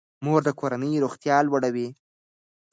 مور د کورنۍ روغتیا لوړوي.